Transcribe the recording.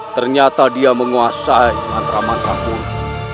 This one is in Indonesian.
ternyata dia menguasai mantra mantra burung